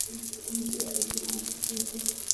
সেই আয়নাটির কথা মনে পড়ে যায় শায়লার যার দুই দিকে ভিন্ন রূপ।